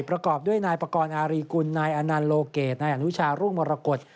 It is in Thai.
ประกอบด้วยนายปกรณ์อารีกุลนายอนันต์โลเกตนายอนุชารุ่งมรกฏ